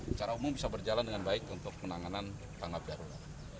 secara umum bisa berjalan dengan baik untuk penanganan tanggap darurat